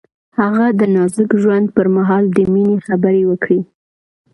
هغه د نازک ژوند پر مهال د مینې خبرې وکړې.